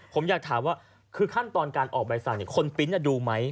ผมอยากถามว่าคือขั้นตอนการออกใบสั่งคนปริ้นต์ดูไหม